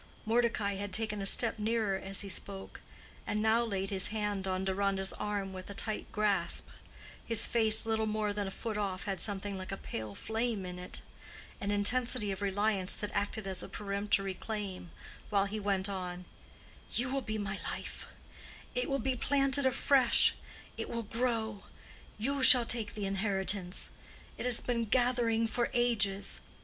—Mordecai had taken a step nearer as he spoke, and now laid his hand on Deronda's arm with a tight grasp; his face little more than a foot off had something like a pale flame in it—an intensity of reliance that acted as a peremptory claim, while he went on—"You will be my life: it will be planted afresh; it will grow. You shall take the inheritance; it has been gathering for ages.